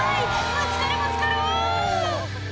「ぶつかるぶつかる！」